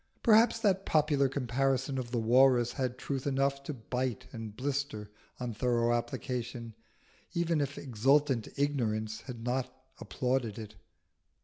Perhaps that popular comparison of the Walrus had truth enough to bite and blister on thorough application, even if exultant ignorance had not applauded it.